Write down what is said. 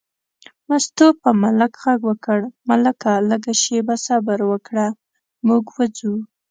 مستو په ملک غږ وکړ: ملکه لږه شېبه صبر وکړه، موږ وځو.